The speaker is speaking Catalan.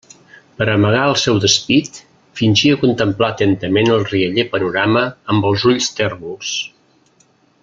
Per a amagar el seu despit, fingia contemplar atentament el rialler panorama amb els ulls tèrbols.